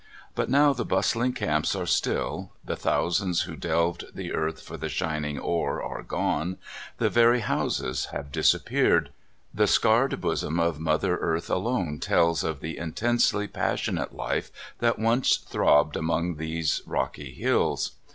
But now the b%^tling camps are still, the thousands who delved the earth for the shining ore are gone, the very* houses have disappeared. The scarred bosom of Mother Earth alone tells of the intensely passionate life that once throbbed among these rocky hills.